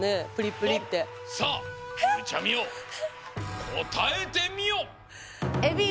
さあゆうちゃみよこたえてみよ！